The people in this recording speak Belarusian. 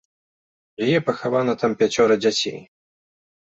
У яе пахавана там пяцёра дзяцей.